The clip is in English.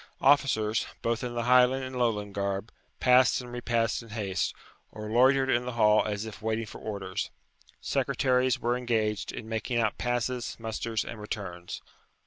Officers, both in the Highland and Lowland garb, passed and repassed in haste, or loitered in the hall as if waiting for orders. Secretaries were engaged in making out passes, musters, and returns.